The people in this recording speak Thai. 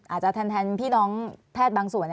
อาจจะแทนพี่น้องแพทย์บางส่วน